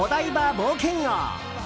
冒険王。